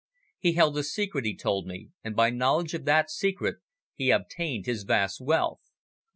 He held a secret, he told me, and by knowledge of that secret, he obtained his vast wealth.